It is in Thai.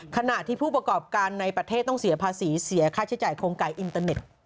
ขณะที่ผู้ประกอบการในประเทศต้องเสียภาษีเสียค่าใช้จ่ายโครงไก่อินเตอร์เน็ต